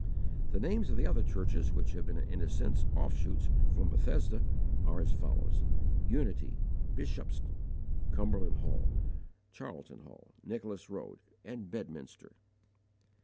The names of the other churches which have been in a sense offshoots from Bethesda are as follows: Unity, Bishopston, Cumberland Hall, Charleton Hall, Nicholas Road, and Bedminster.